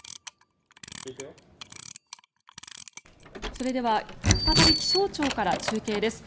それでは再び気象庁から中継です。